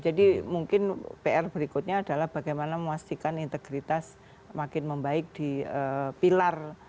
jadi mungkin pr berikutnya adalah bagaimana memastikan integritas makin membaik di pilar